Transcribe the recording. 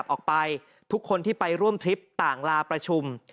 ออกไปทุกคนที่ไปร่วมทริปต่างลาประชุม